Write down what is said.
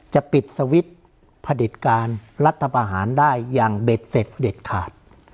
จะปิดสวิตช์ผลิตการรัฐประหารได้อย่างเบ็ดเสร็จเด็ดขาด